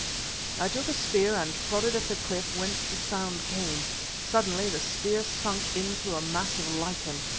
I took a spear and prodded at the cliff whence the sound came. Suddenly the spear sunk in through a mass of lichen.